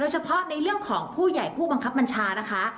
เฉพาะในเรื่องของผู้ใหญ่ผู้บังคับบัญชานะคะ